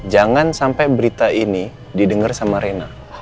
jangan sampai berita ini didengar sama rena